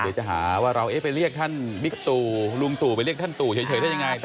เดี๋ยวจะหาว่าเราไปเรียกท่านบิ๊กตู่ลุงตู่ไปเรียกท่านตู่เฉยได้ยังไง